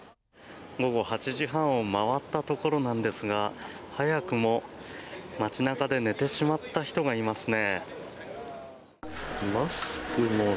午後８時半を回ったところなんですが早くも街中で寝てしまった人がいますね。